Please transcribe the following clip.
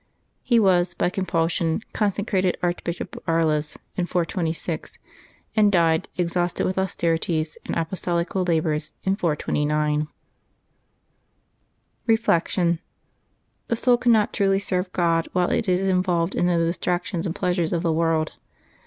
He was, by compulsion, consecrated Archbishop of Aries in 426, and died, ex hausted with austerities and apostolical labors, in 429. Reflection. — The soul cannot truly serve God while it is involved in the distractions and pleasures of the world.